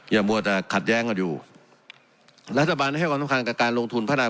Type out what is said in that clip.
มัวแต่ขัดแย้งกันอยู่รัฐบาลได้ให้ความสำคัญกับการลงทุนพัฒนา